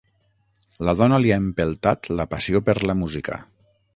La dona li ha empeltat la passió per la música.